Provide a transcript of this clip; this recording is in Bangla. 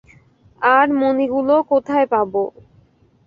আর মণিগুলো কোথায় পাব?